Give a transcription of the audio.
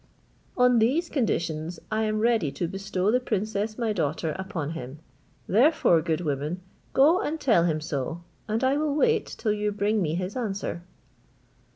On these conditions I am ready to bestow the princess my daughter upon him; therefore, good woman, go and tell him so, and I will wait till you bring me his answer."